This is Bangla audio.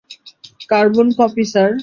Carbon copy, sir.